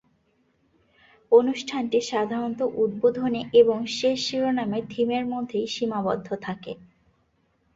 অনুষ্ঠানটি সাধারণত উদ্বোধনী এবং শেষ শিরোনামের থিমের মধ্যেই সীমাবদ্ধ থাকে।